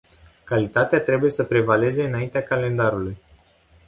Calitatea trebuie să prevaleze înaintea calendarului.